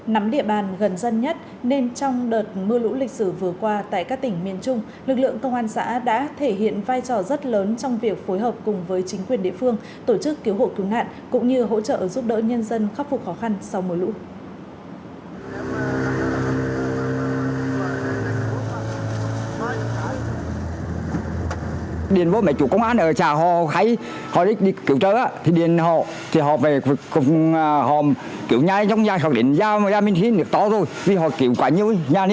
nắm địa bàn gần dân nhất nên trong đợt mưa lũ lịch sử vừa qua tại các tỉnh miền trung lực lượng công an xã đã thể hiện vai trò rất lớn trong việc phục vụ các tỉnh miền trung